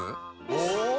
お！